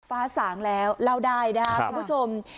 ฟ้าสางแล้วเล่าได้นะครับคุณผู้ชม